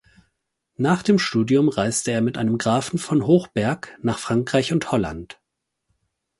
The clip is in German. Nach dem Studium reiste er mit einem Grafen von Hochberg nach Frankreich und Holland.